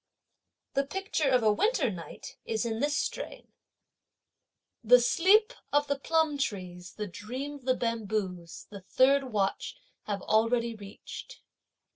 The picture of a winter night is in this strain: The sleep of the plum trees, the dream of the bamboos the third watch have already reached.